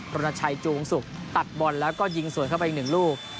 โรนาชัยจูงสุกตัดบอลแล้วก็ยิงสวยเข้าไป๑ลูก